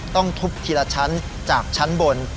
ต้องทุบทีละชั้นจากชั้นบน